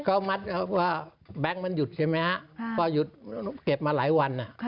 ก็มัดเพราะแบงค์มันหยุดใช่ไหมเขาเก็บมาหลายวัน